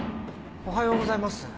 おはようございます。